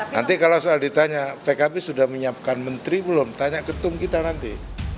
nanti kalau soal ditanya pkb sudah menyiapkan menteri belum tanya ketum kita nanti